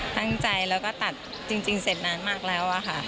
ตั้งใจแล้วก็ตัดจริงเสร็จนานมากแล้วค่ะ